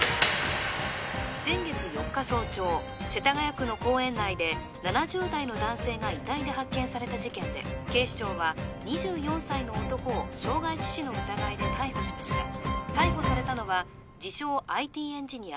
先月４日早朝世田谷区の公園内で７０代の男性が遺体で発見された事件で警視庁は２４歳の男を傷害致死の疑いで逮捕しました逮捕されたのは自称ＩＴエンジニア